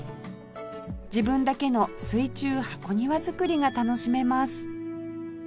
自分だけの水中箱庭作りが楽しめます